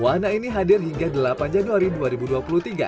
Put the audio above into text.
wana ini hadir hingga delapan saudi arabi berharap di jakarta sea